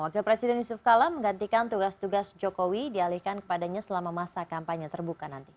wakil presiden yusuf kala menggantikan tugas tugas jokowi dialihkan kepadanya selama masa kampanye terbuka nanti